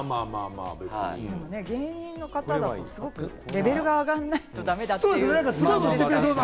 でも芸人の方がすごくレベルが上がらないとダメだという。